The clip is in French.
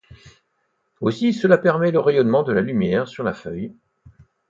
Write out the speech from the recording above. Aussi, cela permet le rayonnement de la lumière sur la feuille.